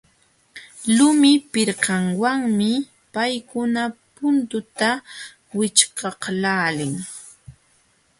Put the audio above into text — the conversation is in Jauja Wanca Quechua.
Lumi pirkawanmi paykuna puntunta wićhqaqlaalin.